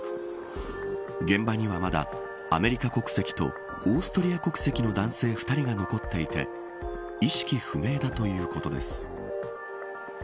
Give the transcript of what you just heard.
現場には、まだアメリカ国籍とオーストリア国籍の男性２人が残っていて意識不明だということです。